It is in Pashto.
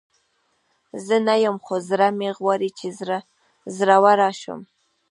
زه نه یم، خو زړه مې غواړي چې زړوره شم.